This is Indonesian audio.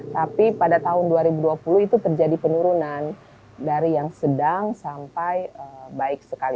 tapi pada tahun dua ribu dua puluh itu terjadi penurunan dari yang sedang sampai baik sekali